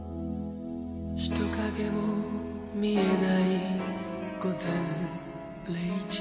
「人影も見えない午前０時」